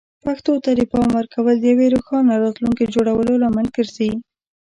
پښتو ته د پام ورکول د یوې روښانه راتلونکې جوړولو لامل ګرځي.